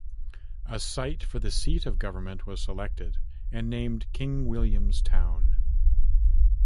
A site for the seat of government was selected and named King William's Town.